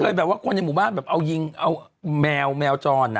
ฉันเคยแบบว่าคนในหมู่บ้านแบบเอายิงแมวแมวจรอะ